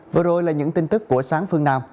vừa rồi là những tin tức của sáng phương nam